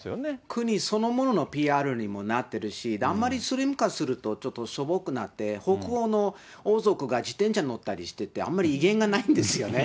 国そのもののＰＲにもなってるし、あまりスリム化すると、ちょっとしょぼくなって、北欧の王族が自転車に乗ったりしてて、あんまり威厳がないんですよね。